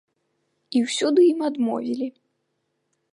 І ўсюды ім адмовілі.